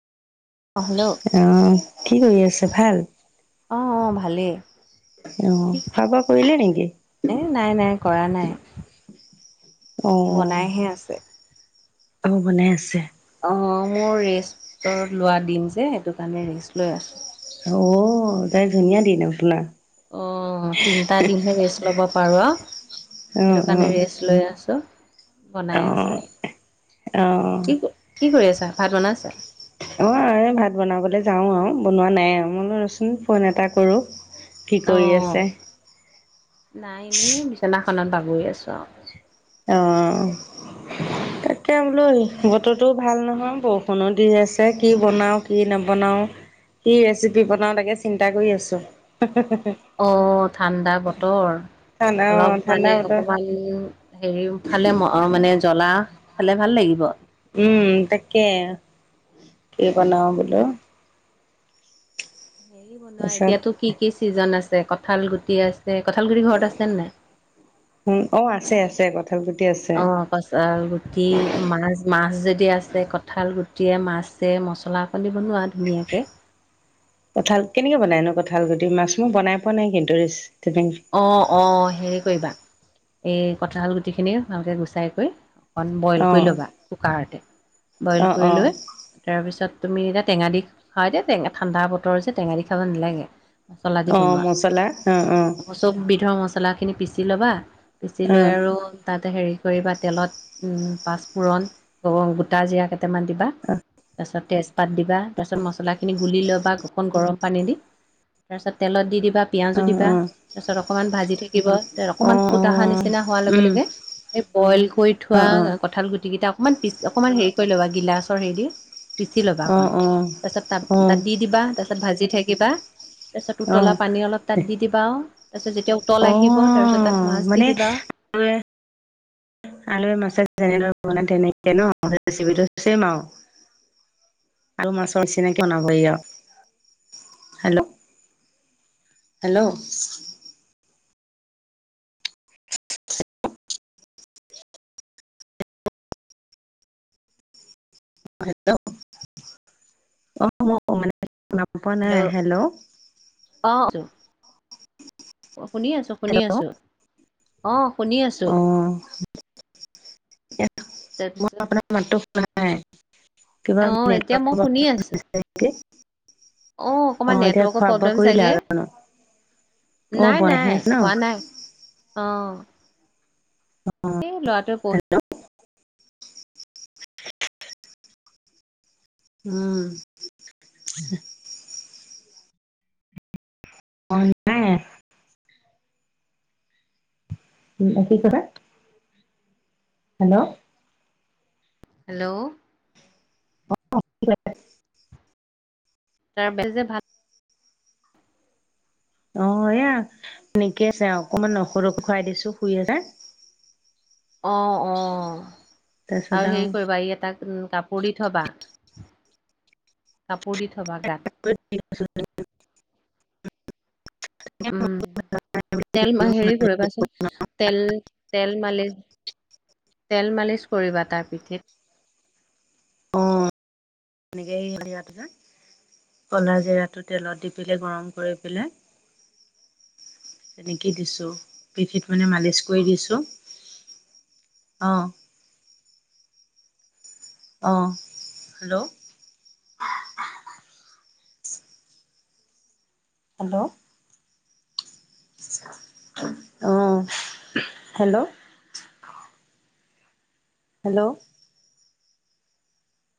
অ hello অহ কি কৰি আছে ভাল? অ অ ভালেই। অ', খোৱা বোৱা কৰিলে নেকি? এ নাই নাই কৰা নাই। অ', বনাইহে আছে। অ বনাই আছে। অ মোৰ ৰেষ্ট লোৱা দিন যে সেইটো কাৰণে ৰেষ্ট লৈ আছো। অ তাই ধুনীয়া দিন আপোনাৰ। অ তিনটা দিনহে ৰেষ্ট ল'ব পাৰো আও অ', সেইটো কাৰণে অ', ৰেচ লৈ আছো বনাই আছে অ', অ', কি কি কৰি আছা ভাত বনাইছা অ ভাত বনাবলৈ যাও আৰু বনোৱা নাই আৰু মই ৰচোন ফোন এটা কৰো অ নাই এনেই বিছনাখনত বাগৰি আছো আৰু অ' [inaudible] তাকে বোলো বতৰটো ভাল নহয় বৰষুণো দি আছে কি বনাওঁ কি নবনাওঁ কি ৰেচিপি বনাও তাকে চিন্তা কৰি আছো। অ' ঠাণ্ডা বতৰ ঠাণ্ডা অলপ অ', ঠাণ্ডা মানে বতৰ অকমান হেৰি খালে মানে জ্বলা খালে ভাল লাগিব উম তাকে কি বনাও বোলো তাৰপিছত এতিয়াতো কি কি চিজন আছে কঁঠাল গুটি আছে। যে কঁঠালগুটি ঘৰত আছে নাই? উম অ আছে আছে কঁঠাল গুটি আছে অ কঠাল গুটি মাছ মাছ যদি আছে কঠাল গুটি টিয়ে মাছে মছলাপাতি বনোৱা ধুনীয়াকে। কঁঠাল কেনেকে বনাই নো কঁঠাল গুটি মাছ মোৰ বনাই পোৱা নাই কিন্তু অ অ হেৰি কৰিবা এই কঁঠাল গুটি খিনি ভালকে গুচাই কৰি অকণ বইল অ কৰি ল'বা কুকাৰতে, বইল অ কৰি অ লৈ তাৰপিছত তুমি এতিয়া টেঙা দি খা ঠাণ্ডা বতৰ হৈছে টেঙা দি খাব নালাগে অ মচলা অ অ অ' চব বিধৰ মছলাখিনি পিচি ল'বা, পিচি অ লৈ আৰু তাতে হেৰি কৰিবা তেলত পাঁচফোৰণ গোটা জিৰা কেইটামান দিবা তাৰপিছত তেজপাত দিবা তাৰপিছ মছলাখিনি গুলি ল'বা অকণ গৰম পানী দি বা পিয়াজো অ দিবা অ তাৰপিছত অকণমান ভাজি থাকিবা অ অ অকণমান ফুট অহা নিচিনা হোৱাৰ লগে উম লগে এই বইল কৰি অ থোৱা অ কঁঠাল গুটি কেইটা অকনমান পিচ অকনমান হেৰি কৰি ল'বা গিলাচৰ হেৰি দি পিচি ল'বা অ অকণ তাৰপিছত তাত অ তাত দি দিবা তাৰপিছত ভাজি থাকিবা তাৰপিছত অ অ উতলা পানী অলপ তাত দি দিবা আও তাছত যেতিয়া উতল অ আহিব তাৰপিছত তাত মাছ দি মানে দিবা আলুৱে আলুৱে মাছে যেনেদৰে বনাই তেনেকে ন ৰেচিপটো চেম আৰু আলু, মাছৰ নিচিনাকি বনাব ই আৰু হেল্ল'। হেল্ল' [unintelligible] গম পোৱা নাই হেল্ল' অ শুনি আছো শুনি হেল্ল' আছো অ শুনি আছো অ' মই তাৰপিছত আপোনাৰ মাতটো শুনা নাই। কিবা অ এতিয়া মই শুনি আছো নেটৱৰ্কক অকণমান অ' এতিয়া নেটৱৰ্কৰ খোৱা-বোৱা প্ৰব্লেম কৰিলা চাগে জানো অ নাই, বনাইহে নাই আছে ন খোৱা নাই অ'। এই ল'ৰাটোয়ে পঢ়ি হেল্ল' উম অ' নাই। উ কি কলে হেল্ল' হেল্ল' অ তাৰ বাবে যে ভাল অৱ এয়া সনেকেই আছে অকমান নহৰু খুৱাই দিছো দুই এটা [inaudible] অ অ তাৰপিছত আৰু হেৰি কৰিবা ই এটাক কাপোৰ দি থবা কাপোৰ দি থবা গাত আৰু উম। তেল- হেৰি কৰিবাচোন। তেল তেল মালিচ - তেল মালিচ কৰিবা তাৰ পিঠিত। অ [inaudible] এনেকে হেৰি [unintelligible] কলা জিৰাটো তেলত দি পেলাই গৰম কৰি পেলাই। তেনেকেই দিছোঁ। পিঠিত মানে মালিচ কৰি দিছোঁ। অ'। অ', হেল্ল'? হেল্ল'? অ', হেল্ল'? হেল্ল'?